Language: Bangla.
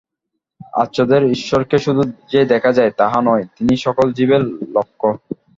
আর্যদের ঈশ্বরকে শুধু যে দেখা যায়, তাহা নয়, তিনি সকল জীবের লক্ষ্য।